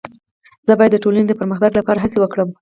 زه باید د ټولني د پرمختګ لپاره هڅه وکړم.